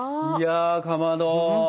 いやかまど。